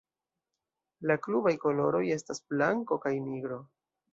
La klubaj koloroj estas blanko kaj nigro.